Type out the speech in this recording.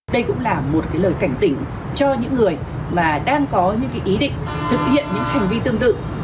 đây là lời cảnh tỉnh cho những người đang có ý định thực hiện những hành vi tương tự